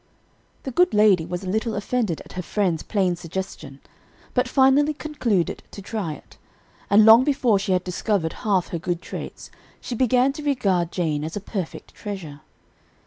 "The good lady was a little offended at her friend's plain suggestion; but finally concluded to try it; and long before she had discovered half her good traits, she began to regard Jane as a perfect treasure.